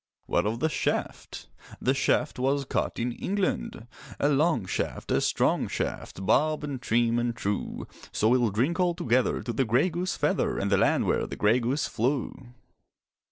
What of the shaft? The shaft was cut in England: A long shaft, a strong shaft, Barbed and trim and true; So we'll drink all together To the grey goose feather And the land where the grey goose flew.